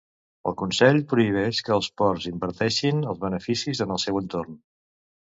El Consell prohibeix que els ports inverteixin els beneficis en el seu entorn.